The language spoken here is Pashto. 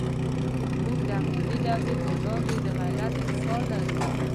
موږ د اماني دورې پر وړاندې د غیرت مثال لرو.